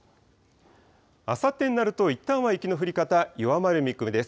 あさってになると、いったんは雪の降り方、弱まる見込みです。